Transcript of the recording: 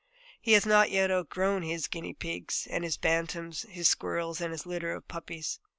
He has not yet outgrown his guinea pigs, and his bantams, his squirrels, and his litter of puppies.